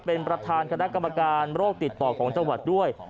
เป็นประธานคณะกรรมการโรคติดต่อของจังหวัดด้วย